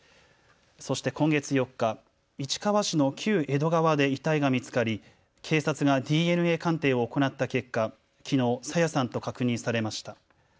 そして今月４日、市川市の旧江戸川で遺体が見つかり警察がＤＮＡ鑑定を行った結果、きのう朝芽さんと確認されました。